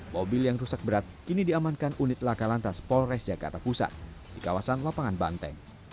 mobil yang rusak berat kini diamankan unit laka lantas polres jakarta pusat di kawasan lapangan banteng